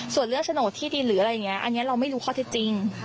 ส่วนเรื่องโฉนดที่ดินหรืออะไรอย่างนี้อันนี้เราไม่รู้ข้อเท็จจริง